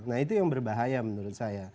nah itu yang berbahaya menurut saya